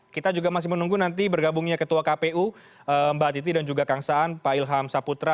kita juga masih menunggu nanti bergabungnya ketua kpu mbak titi dan juga kang saan pak ilham saputra